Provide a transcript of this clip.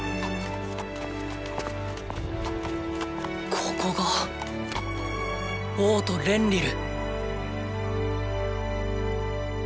ここが王都レンリル！